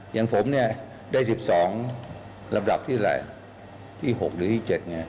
อย่างผมเนี่ยได้๑๒ระดับที่๖หรือที่๗